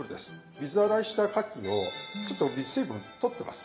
水洗いしたかきをちょっと水分取ってます。